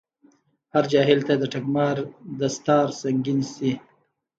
هر جاهل ته دټګمار دستار سنګين شي